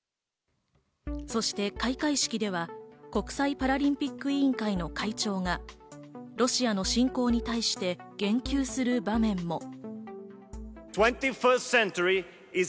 そして開会式では国際パラリンピック委員会の会長がロシアの侵攻に対して言及する場面も。